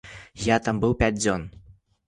Я там быў пяць дзён.